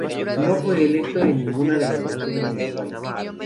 No fue electo en ninguna de las elecciones municipales.